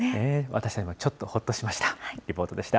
私たちもちょっとほっとしました。